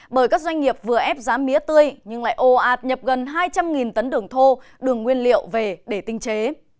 bởi các doanh nghiệp vừa ép giá mía tươi nhưng lại ồ ạt nhập gần hai trăm linh tấn đường thô đường nguyên liệu về để tinh chế